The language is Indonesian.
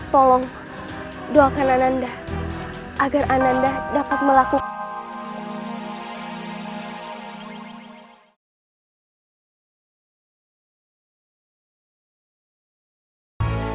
tolong doakan ananda agar ananda dapat melakukan